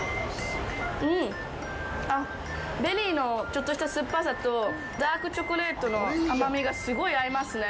ベリーのちょっとした酸っぱさとダークチョコレートの甘みがすごい合いますね。